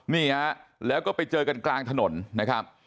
นี่ฮะแล้วก็ไปเจอกันกลางถนนนะครับ